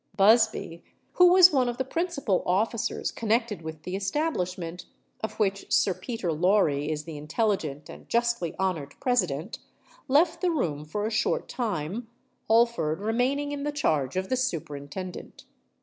_" Busby, who was one of the principal officers connected with the establishment, of which Sir Peter Laurie is the intelligent and justly honoured President, left the room for a short time, Holford remaining in the charge of the Superintendent.